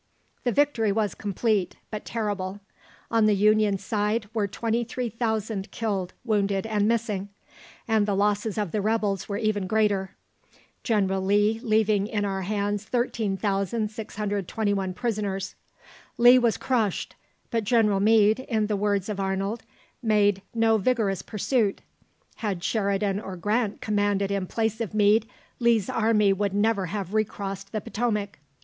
The victory was complete, but terrible. On the Union side were 23,000 killed, wounded, and missing, and the losses of the rebels were even greater, General Lee leaving in our hands 13,621 prisoners. Lee was crushed, but General Meade, in the words of Arnold, "made no vigorous pursuit. Had Sheridan or Grant commanded in place of Meade, Lee's army would never have recrossed the Potomac."